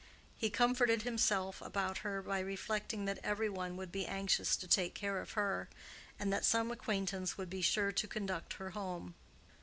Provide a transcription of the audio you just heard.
He comforted himself about her by reflecting that every one would be anxious to take care of her, and that some acquaintance would be sure to conduct her home.